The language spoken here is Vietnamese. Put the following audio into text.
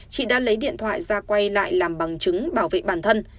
chị đã lấy điện thoại ra quay lại làm bằng chứng bảo vệ bản thân